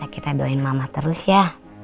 kita doain mama terus ya